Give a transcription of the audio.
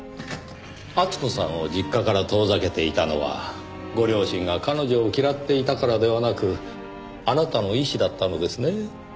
厚子さんを実家から遠ざけていたのはご両親が彼女を嫌っていたからではなくあなたの意思だったのですねぇ。